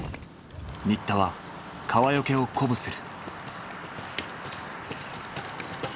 新田は川除を鼓舞する。